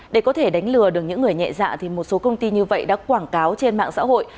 để có thể đánh lừa được những người nhẹ dạ thì một số công ty như vậy đã quảng cáo trên mạng xã hội